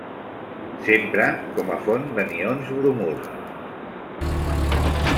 S'empra com a font d'anions bromur.